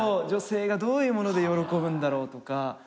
女性がどういうもので喜ぶんだろうとか。